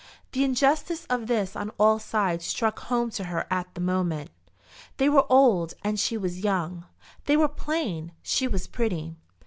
The injustice of this on all sides struck home to her at the moment. They were old and she was young. They were plain; she was pretty.